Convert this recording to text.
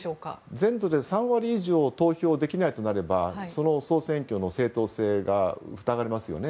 全土で３割以上投票できないとなればその総選挙の正当性が疑われますよね。